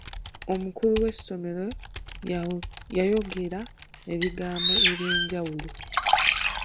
Omukulu w'essomero yayogera ebigambo ebyaggulawo.